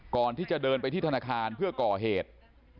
ก่อนที่จะเดินไปที่ธนาคารเพื่อก่อเหตุ